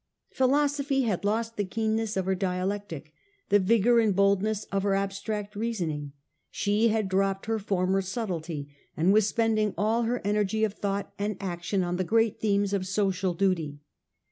Philosophy had lost the keenness of her dialectic, the vigour and boldness of her abstract reasoning ; she had dropped her former subtlety, and was spending all her energy of thought and action on the great themes of social duty.